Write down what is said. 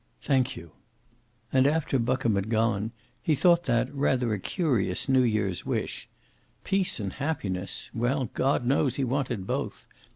"Thank you." And after Buckham had gone he thought that rather a curious New year's wish. Peace and happiness! Well, God knows he wanted both.